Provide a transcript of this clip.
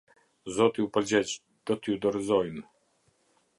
Zoti u përgjegj: "Do t’ju dorëzojnë".